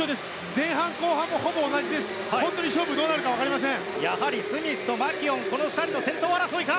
前半、後半もほぼ同じ勝負どうなるか分かりません。